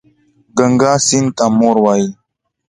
ګنګا سیند ته مور وايي.